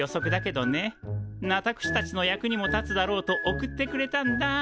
私たちの役にも立つだろうと送ってくれたんだ。